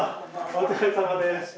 お疲れさまです。